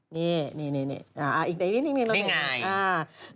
นี่อีกนิดนึงนิ่งไง